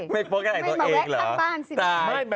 ไม่บอกแหละข้างบ้านสิ